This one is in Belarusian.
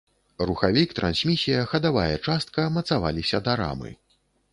Рухавік, трансмісія, хадавая частка мацаваліся да рамы.